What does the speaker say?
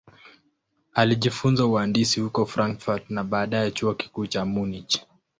Alijifunza uhandisi huko Frankfurt na baadaye Chuo Kikuu cha Munich.